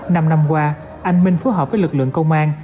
năm năm qua anh minh phối hợp với lực lượng công an